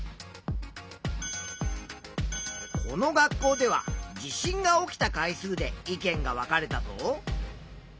この学校では地震が起きた回数で意見が分かれたぞ。